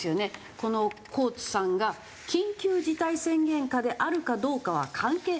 このコーツさんが緊急事態宣言下であるかどうかは関係ないんだって。